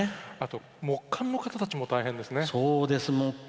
あと木管の方も大変ですね。